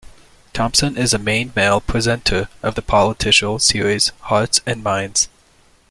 Thompson is the main male presenter of the political series "Hearts and Minds".